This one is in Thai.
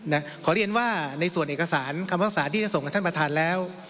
นะขออนุญาตว่าในส่วนเอกสารคำพรักษาที่จะส่งกับท่านประธานแล้ว